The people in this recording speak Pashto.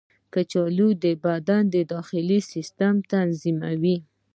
کچالو د بدن د داخلي سیسټم تنظیموي.